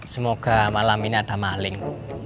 semoga malam ini ada maling